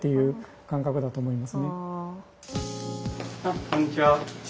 あっこんにちは。